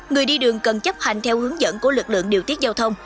người đi đường cần chấp hành theo hướng dẫn của lực lượng điều tiết giao thông